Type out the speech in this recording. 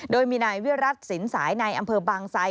โดยมีนายวิรัติสินสายในอำเภอบางไซ